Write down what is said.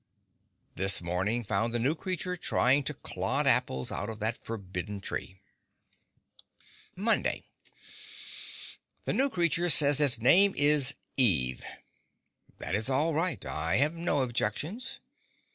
This morning found the new creature trying to clod apples out of that forbidden tree. Monday The new creature says its name is Eve. That is all right, I have no objections.